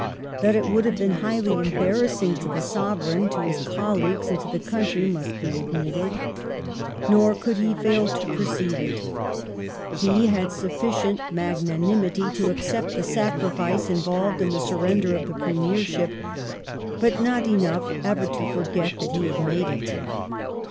That it would have been highly embarrassing to the Sovereign, to his colleagues, and to the country must be admitted. Nor could he fail to perceive it. He had sufficient magnanimity to accept the sacrifice involved in the sun ender of the Premiership, but not enough ever to forget that he had made it.